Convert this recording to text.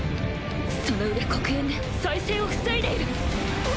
その上黒煙で再生を防いでいる！